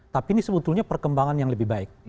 tapi ini sebetulnya perkembangan yang lebih baik